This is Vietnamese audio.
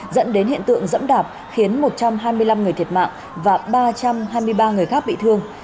dẫn đến hiện tượng dẫm đạp khiến một trăm hai mươi năm người thiệt mạng và ba trăm hai mươi ba người khác bị thương